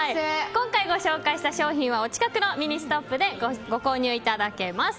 今回ご紹介した商品はお近くのミニストップでご購入いただけます。